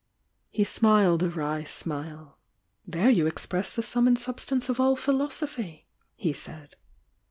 He smiled a wry smile. "There you express the sum and substance of all philosophy!" he said.